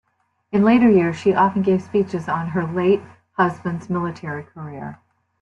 In her later years she often gave speeches on her late husband's military career.